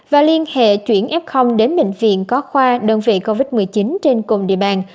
và liên hệ chuyển f đến bệnh viện có khoa đơn vị covid một mươi chín trên cùng địa bàn